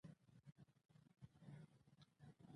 احمدشاه بابا د هیواد د پولو د ساتني لپاره قرباني ورکړه.